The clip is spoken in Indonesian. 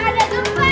eh diam bangun